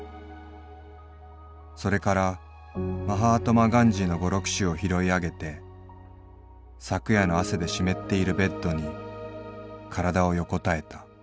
それからマハートマ・ガンジーの語録集を拾いあげて昨夜の汗で湿っているベッドに体を横たえた。